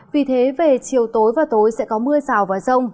vì thế về chiều tối và tối sẽ có mưa rào và rông